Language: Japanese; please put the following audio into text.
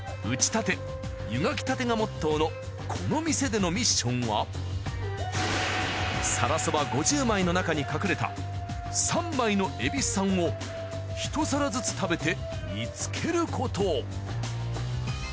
打ち立て湯がき立てがモットーのこの店でのミッションは皿そば５０枚の中に隠れた３枚の蛭子さんを一皿ずつ食べて見つけること。